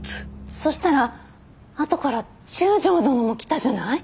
そしたらあとから中将殿も来たじゃない？